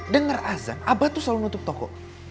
dengar azal abad tuh selalu nutup toko